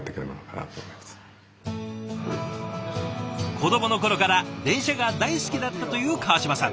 子どもの頃から電車が大好きだったという川島さん。